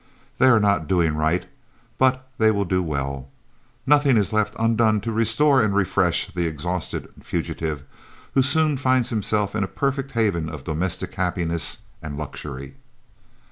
They are not doing right, but they will do well. Nothing is left undone to restore and refresh the exhausted fugitive, who soon finds himself in a perfect haven of domestic happiness and luxury.